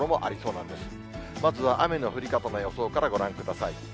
まずは雨の降り方の予想からご覧ください。